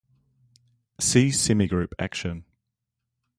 See semigroup action.